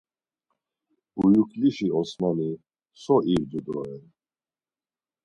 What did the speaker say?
Buyuklişi Osmani so irdu doren?